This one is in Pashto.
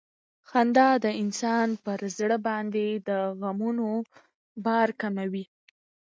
خندا د انسان پر زړه باندې د غمونو بار کموي.